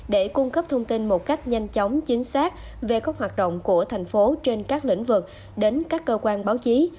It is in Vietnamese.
để cung cấp thông tin một cách nhanh chóng chính xác về các hoạt động của thành phố trên các lĩnh vực đến các cơ quan báo chí